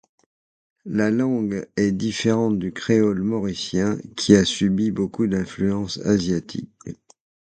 La langue est différent du créole mauricien qui a subi beaucoup d'influence asiatique.